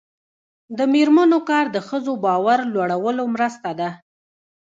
د میرمنو کار د ښځو باور لوړولو مرسته ده.